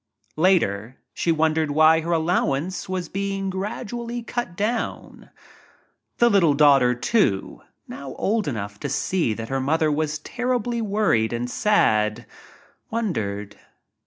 Later she wondered why her allowance was being gradualy cut down. The little daughter, too, now old enough to see that her mother was terribly worried and sad, wondered.